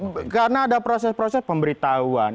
betul karena ada proses proses pemberitahuan